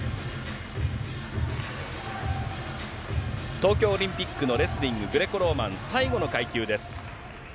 東京オリンピックのレスリング、グレコローマン、最後の階級です。